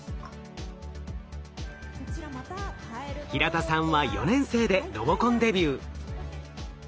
平田さんは４年生でロボコンデビュー。